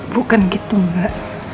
bukan gitu mbak